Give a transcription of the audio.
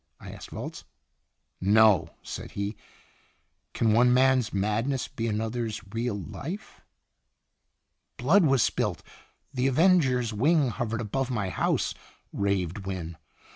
I asked Volz. "No," said he. "Can one man's madness be another's real life?" "Blood was spilt the avenger's wing hov ered above my house," raved Wynne.